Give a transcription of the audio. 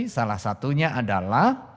salah satunya adalah